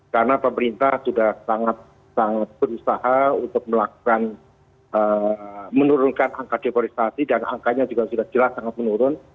karena pemerintah sudah sangat berusaha untuk melakukan menurunkan angka deforestasi dan angkanya juga sudah jelas sangat menurun